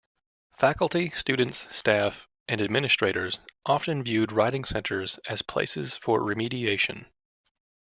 Faculty, students, staff, and administrators often viewed writing centers as places for remediation.